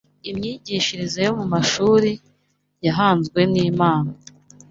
Imyigishirize yo mu mashuri yahanzwe n’Imana